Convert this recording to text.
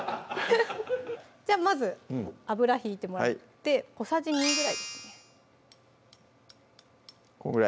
じゃあまず油引いてもらって小さじ２ぐらいですねこんぐらい？